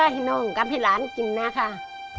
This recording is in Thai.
เพื่อที่น้องกับพี่หลานกินแล้วค่ะ